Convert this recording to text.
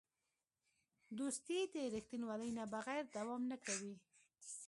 دوستي د رښتینولۍ نه بغیر دوام نه کوي.